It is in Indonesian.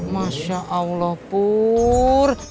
masya allah pur